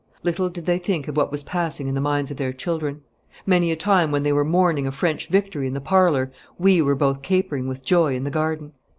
Little did they think what was passing in the minds of their children. Many a time when they were mourning a French victory in the parlour we were both capering with joy in the garden.